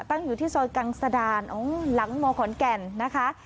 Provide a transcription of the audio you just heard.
ตั้งอยู่ที่ซอยกังสดานหลังมขอนแก่นนะคะ